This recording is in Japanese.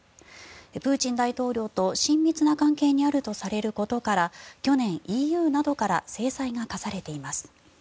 プーチン大統領と親密な関係にあるとされることから去年、ＥＵなどから制裁が科されています。